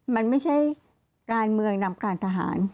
มันไม่ใช่การเมืองนำการทหาร